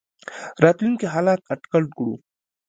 راتلونکي حالات اټکل کړو.